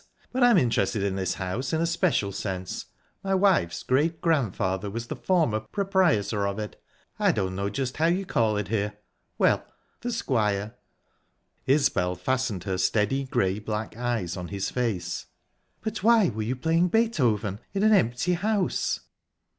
But I'm interested in this house in a special sense. My wife's great grandfather was the former proprietor of it I don't know just how you call it here...well, the squire." Isbel fastened her steady, grey black eyes on his face. "But why were you playing Beethoven in an empty house?"